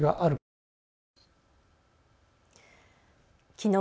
きのう